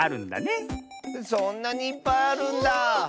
そんなにいっぱいあるんだ。